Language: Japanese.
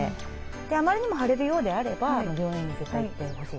あまりにも腫れるようであれば病院に絶対行ってほしいなと。